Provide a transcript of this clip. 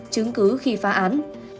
chứng cứ khi phá án